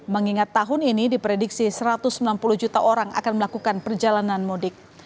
mengingat tahun ini diprediksi satu ratus enam puluh juta orang akan melakukan perjalanan mudik